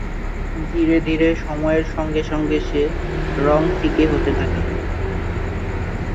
ধীরে ধীরে সময়ের সঙ্গে সঙ্গে সে রং ফিকে হতে থাকে।